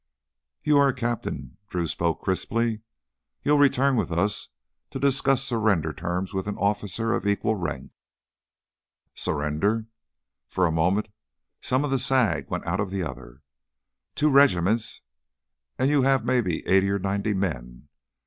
"You're a captain," Drew spoke crisply. "You'll return with us to discuss surrender terms with an officer of equal rank!" "Surrender!" For a moment some of the sag went out of the other. "Two regiments an' you have maybe eighty or ninety men."